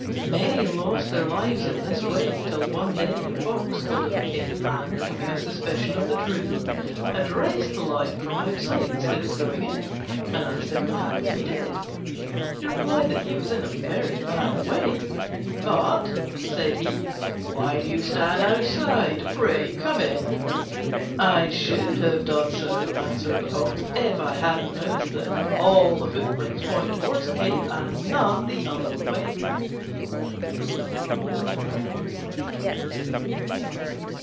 Many lost their lives in this way, till one day a Fox called at the cave, and, having a suspicion of the truth, addressed the Lion from outside instead of going in, and asked him how he did. He replied that he was in a very bad way: "But," said he, "why do you stand outside? Pray come in." "I should have done so," answered the Fox, "if I hadn't noticed that all the footprints point towards the cave and none the other way."